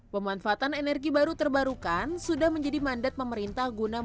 pemanfaatan energi baru terbarukan sudah menjadi mandat pemerintah guna membangun listrik